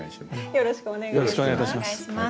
よろしくお願いします。